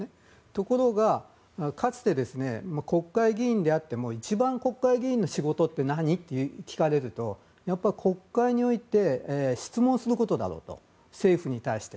ところがかつて国会議員であっても一番国会議員の仕事って何？と聞かれるとやっぱり国会において質問することだろうと政府に対して。